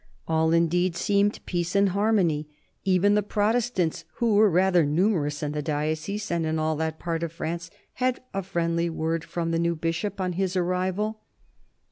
All, indeed, seemed peace and harmony. Even the Protestants, who were rather numerous in the diocese and in all that part of France, had a friendly word from the new Bishop on his arrival.